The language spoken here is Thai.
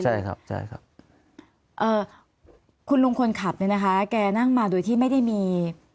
ใช่ครับใช่ครับเอ่อคุณลุงคนขับเนี่ยนะคะแกนั่งมาโดยที่ไม่ได้มี